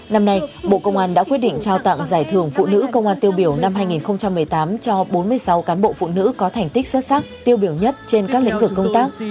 năm nay bộ công an đã quyết định trao tặng giải thưởng phụ nữ công an tiêu biểu năm hai nghìn một mươi tám cho bốn mươi sáu cán bộ phụ nữ có thành tích xuất sắc tiêu biểu nhất trên các lĩnh vực công tác